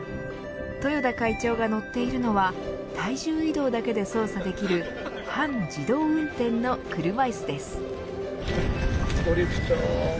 豊田会長が乗っているのは体重移動だけで操作できる半自動運転の車いすです。